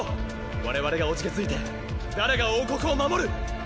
我々がおじけづいて誰が王国を守る！